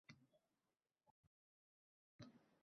Bu real hayotda uchrab turadigan ayni haqiqatdir.